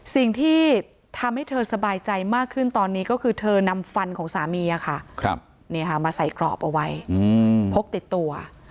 สิ่งที่ทำให้เธอสบายใจมากขึ้นตอนนี้ก็คือเธอนำฟันของสามีอ่ะค่ะนี้ค่ะมาใส่กรอบเอาไว้